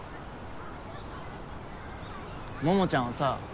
桃ちゃんはさ